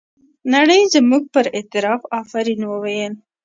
نړۍ زموږ پر اعتراف افرین وویل.